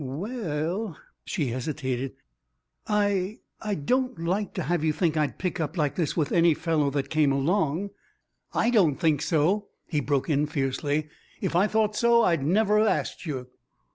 "We ell," she hesitated, "I I don't like to have you think I'd pick up like this with any fellow that come along " "I don't think so!" he broke in fiercely. "If I thought so I'd never've asked you."